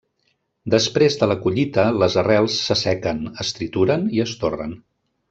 Després de la collita les arrels s'assequen, es trituren i es torren.